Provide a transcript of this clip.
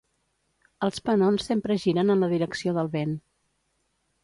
Els penons sempre giren en la direcció del vent.